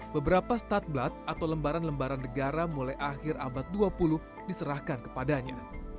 beberapa stat blood atau lembaran lembaran negara mulai akhir abad dua puluh diserahkan kepadanya